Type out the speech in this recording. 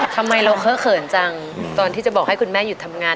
ทำไมเราเค้อเขินจังตอนที่จะบอกให้คุณแม่หยุดทำงาน